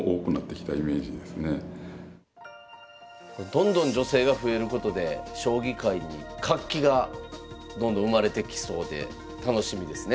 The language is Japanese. どんどん女性が増えることで将棋界に活気がどんどん生まれてきそうで楽しみですね。